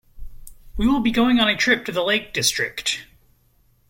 We will be going on a trip to the lake district.